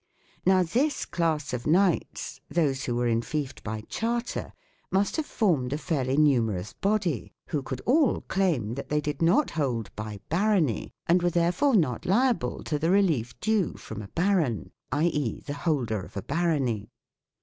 Now this class of knights, those who were enfeoffed by charter, must have formed a fairly numerous body, who could all claim that they did not hold by " barony " and were therefore not liable to the relief due from a baron (i.e. the holder of a barony).